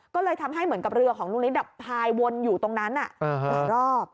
ก็เลยทำให้เหมือนกับเรือของลุงนิดพายวนอยู่ตรงนั้นหลายรอบ